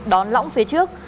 đón lõng phía trước